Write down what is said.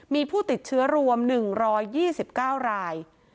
มีผู้ติดเชื้อรวม๑๒๙ราย